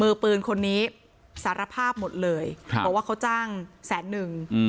มือปืนคนนี้สารภาพหมดเลยบอกว่าเขาจ้างแสนหนึ่ง